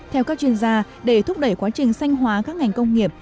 theo các chuyên gia để thúc đẩy quá trình sanh hóa các ngành công nghiệp